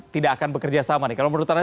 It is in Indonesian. tidak akan bekerja sama nih kalau menurut anda